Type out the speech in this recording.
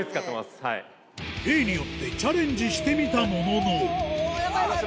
例によってチャレンジしてみたもののヤバいヤバい！